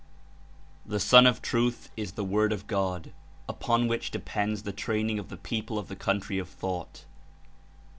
*'The Sun of Truth is the fVord of God, upon which depends the training of the people of the coun try of thought.